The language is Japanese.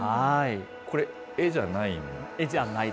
これ、絵じゃない？